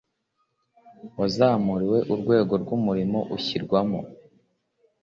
wazamuriwe urwego rw umurimo ushyirwamo